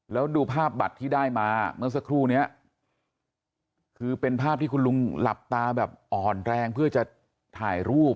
แล้วดูภาพบัตรที่ได้มาเมื่อสักครู่นี้คือเป็นภาพที่คุณลุงหลับตาแบบอ่อนแรงเพื่อจะถ่ายรูป